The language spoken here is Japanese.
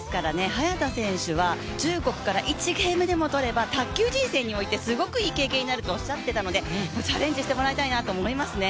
早田選手は中国から１ゲームでも取れば、卓球人生においてすごくいい経験になるとおっしゃっていたのでチャレンジしてもらいたいなと思いますね。